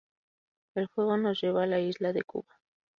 El juego nos lleva a la isla de Cuba.